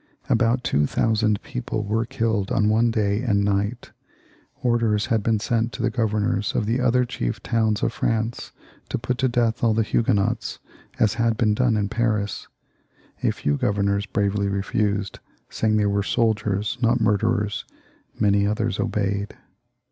About two thousand people were killed in one day and night. Orders had been sent to the governors of the other chief towns of France to put to death all the Huguenots, as had been done in Paris. A few governors bravely refused, saying they were soldiers, not murderers ; many others obeyed.